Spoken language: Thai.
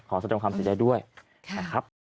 แสดงความเสียใจด้วยนะครับ